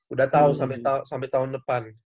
udah tahu sampai tahun depan